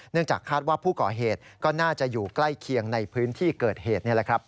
จากคาดว่าผู้ก่อเหตุก็น่าจะอยู่ใกล้เคียงในพื้นที่เกิดเหตุนี่แหละครับ